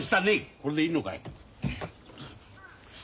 これでいいのかい？